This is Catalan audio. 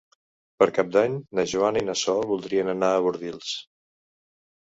Per Cap d'Any na Joana i na Sol voldrien anar a Bordils.